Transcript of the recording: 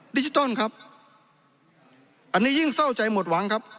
ดิจิทัลครับอันนี้ยิ่งเศร้าใจหมดหวังครับ